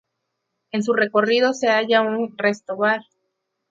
En su recorrido se halla un restó-bar.